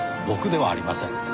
僕ではありません。